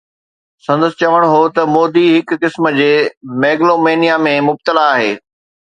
سندس چوڻ هو ته مودي هڪ قسم جي ميگلومينيا ۾ مبتلا آهي.